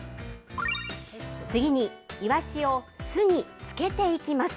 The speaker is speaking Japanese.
次に、いわしを酢に漬けていきます。